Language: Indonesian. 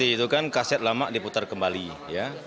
itu kan kaset lama diputar kembali ya